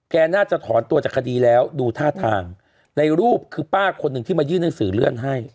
น่าจะถอนตัวจากคดีแล้วดูท่าทางในรูปคือป้าคนหนึ่งที่มายื่นหนังสือเลื่อนให้